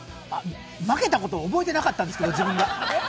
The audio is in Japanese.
負けたこと覚えてなかったですけど、自分で。